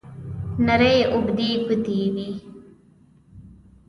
نرۍ اوږدې ګوتې یې وې.